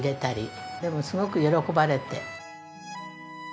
でもすごく喜ばれて。